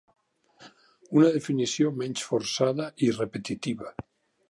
Una definició menys forçada i repetitiva.